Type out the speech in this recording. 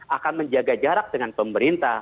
akan menjaga jarak dengan pemerintah